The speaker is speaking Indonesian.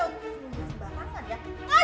kamu tuh bintang wajahnya